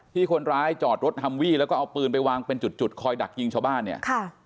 ที่คนร้ายจอดรถฮัมวี่แล้วก็เอาปืนไปวางเป็นจุดจุดคอยดักยิงชาวบ้านเนี่ยค่ะ